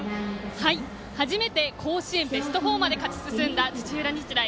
初めて甲子園ベスト４まで勝ち進んだ土浦日大。